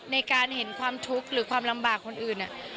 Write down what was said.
ในการเห็นความทุกข์หรือความลำบากคนอื่น